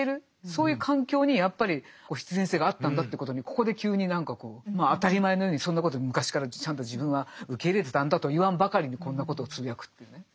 そういう環境にやっぱり必然性があったんだということにここで急に何かこう当たり前のようにそんなこと昔からちゃんと自分は受け入れてたんだと言わんばかりにこんなことをつぶやくっていうね。